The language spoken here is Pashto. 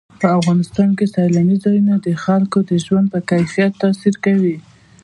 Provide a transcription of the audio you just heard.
په افغانستان کې سیلانی ځایونه د خلکو د ژوند په کیفیت تاثیر کوي.